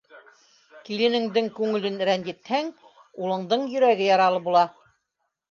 Киленеңдең күңелен рәнйетһәң, улыңдың йөрәге яралы була.